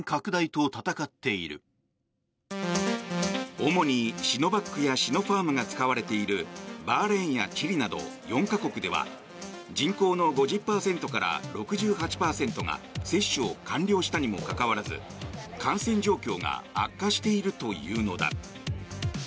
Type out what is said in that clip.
主にシノバックやシノファームが使われているバーレーンやチリなど４か国では人口の５０％から６８％が接種を完了したにもかかわらず感染状況が悪化しているというのだ。